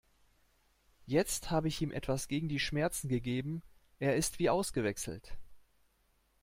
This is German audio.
Jetzt habe ich ihm etwas gegen die Schmerzen gegeben, er ist wie ausgewechselt.